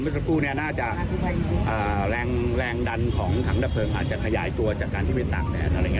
สักครู่น่าจะแรงดันของถังดับเพลิงอาจจะขยายตัวจากการที่ไปตากแดดอะไรอย่างนี้